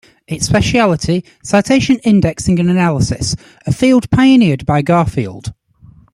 Its specialty: citation indexing and analysis, a field pioneered by Garfield.